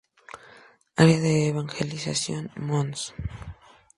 Área de Evangelización: Mons.